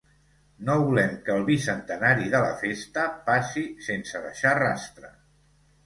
No volem que el bicentenari de la festa passi sense deixar rastre.